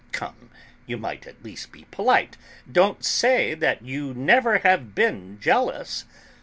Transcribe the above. come, you might at least be polite. Don't say that you never have been jealous!"